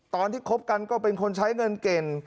ตอนที่คบกันก็เป็นคนใช้เงินเก่น